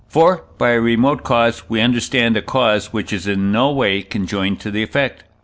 For, by a remote cause, we understand a cause which is in no way conjoined to the effect.